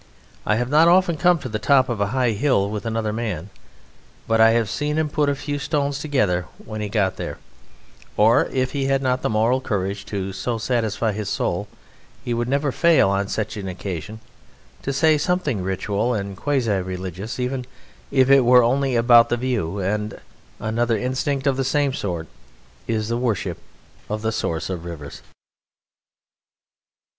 I have not often come to the top of a high hill with another man but I have seen him put a few stones together when he got there, or, if he had not the moral courage so to satisfy his soul, he would never fail on such an occasion to say something ritual and quasi religious, even if it were only about the view; and another instinct of the same sort is the worship of the sources of rivers.